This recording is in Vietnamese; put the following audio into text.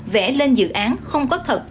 vẽ lên dự án không có thật